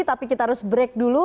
tapi kita harus break dulu